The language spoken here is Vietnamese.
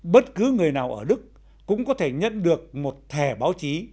bất cứ người nào ở đức cũng có thể nhận được một thẻ báo chí